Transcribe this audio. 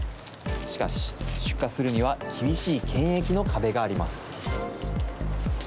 しかし、出荷するには厳しい検疫の壁があります。